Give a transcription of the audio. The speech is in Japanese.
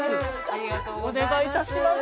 ありがとうございます。